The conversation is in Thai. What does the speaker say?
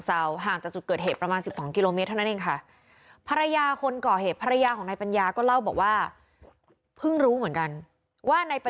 ถ้าเอาชีวิตแม่ผมกลับคืนมาได้